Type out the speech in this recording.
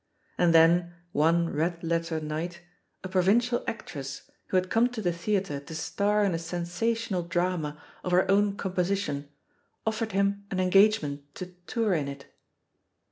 And then, one red letter night, a provincial actress, who had come to the theatre to star in a sensational drama of her own composition, offered him an engagement to tour in it.